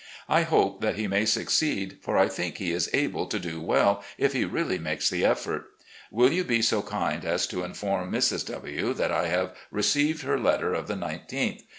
I hope that he may succeed, for I think he is able to do well if he really makes the effort. Will you be so kind as to inform Mrs. W. that I have received her letter of the 19th?